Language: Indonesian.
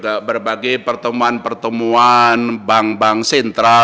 saya mengikuti berbagai pertemuan pertemuan bank bank sentra